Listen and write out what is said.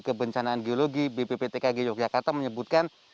kebencanaan geologi bpptkg yogyakarta menyebutkan